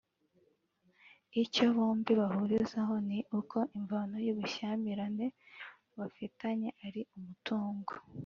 icyo bombi bahurizaho ni uko imvano y’ubushyamirane bafitanye ari umutungo